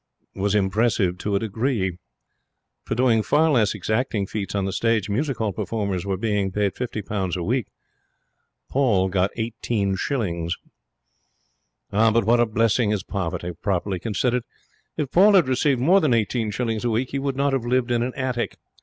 was impressive to a degree. For doing far less exacting feats on the stage music hall performers were being paid fifty pounds a week. Paul got eighteen shillings. What a blessing is poverty, properly considered. If Paul had received more than eighteen shillings a week he would not have lived in an attic.